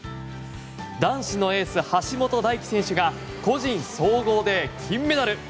男子のエース、橋本大輝選手が個人総合で金メダル。